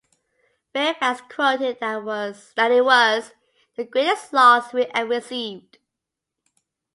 Fairfax quoted that it was "the greatest loss we ever received".